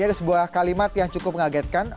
ada sebuah kalimat yang cukup mengagetkan